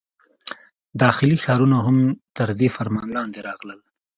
داخلي ښارونه هم تر دې فرمان لاندې راغلل.